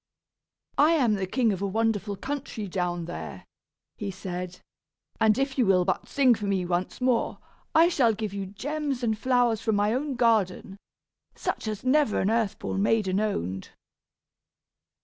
"I am the king of a wonderful country down there," he said, "and if you will but sing for me once more, I shall give you gems and flowers from my own garden, such as never an earth born maiden owned."